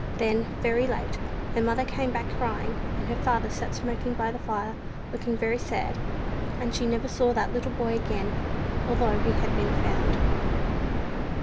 Then, very late, her mother came back crying, and her father sat smoking by the fire looking very sad, and she never saw that little boy again, although he had been found.